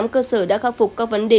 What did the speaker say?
hai mươi tám cơ sở đã khắc phục các vấn đề